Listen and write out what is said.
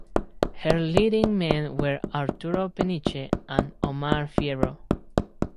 Her leading men were Arturo Peniche and Omar Fierro.